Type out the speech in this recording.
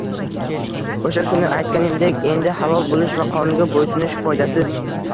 O'sha kuni aytganimdek, endi halol bo'lish va qonunga bo'ysunish "foydasiz"